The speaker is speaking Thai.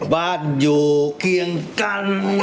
บ้านอยู่เคียงกัน